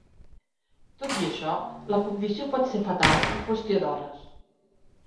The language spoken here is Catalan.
Tot i això, la condició pot ser fatal en qüestió d'hores.